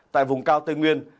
tại vùng cao tây nguyên